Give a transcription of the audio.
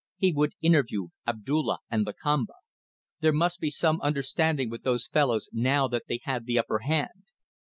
He would interview Abdulla and Lakamba. There must be some understanding with those fellows now they had the upper hand.